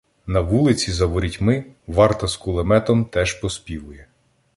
На вулиці за ворітьми — варта з кулеметом теж поспівує.